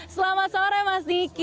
selamat sore mas niki